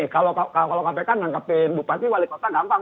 kalau kpk nangkepin bupati wali kota gampang